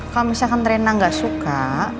kalau misalkan rena nggak suka